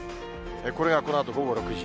これがこのあと午後６時。